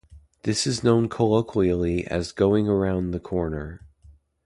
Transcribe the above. This is known colloquially as "going around the corner".